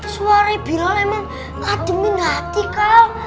suaranya bilal emang ademin hati kal